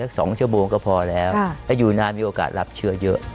กินได้เพราะเรารา